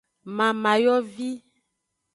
Mamayovi.